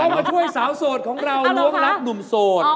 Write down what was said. มาช่วยสาวโสดของเราล้วงรับหนุ่มโสด